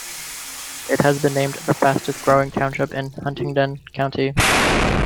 It has been named the fastest growing township in Huntingdon County.